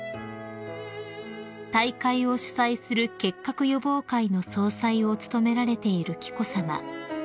［大会を主催する結核予防会の総裁を務められている紀子さま］